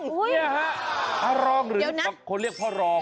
นี่ฮะอรองหรือคนเรียกพ่อรอง